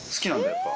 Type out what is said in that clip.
やっぱ。